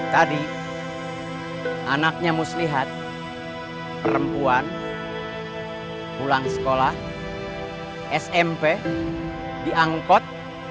tadi anaknya muslihat perempuan pulang sekolah smp diangkot